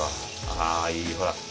あいいほら。